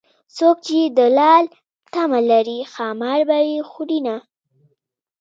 څوک چې د لال تمه لري ښامار به يې خورینه